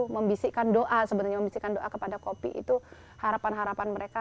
membisikkan doa sebenarnya membisikkan doa kepada kopi itu harapan harapan mereka